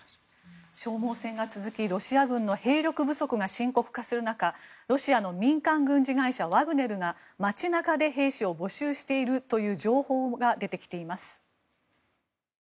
消耗戦が続きロシア軍の兵力不足が深刻化する中ロシアの民間軍事会社ワグネルが街中で兵士を募集しているという情報が出てきています。